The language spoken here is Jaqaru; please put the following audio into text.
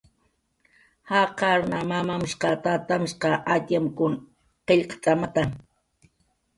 Jaqarn mamamshqa, tatamshqaps atxamkun qillqt'amata.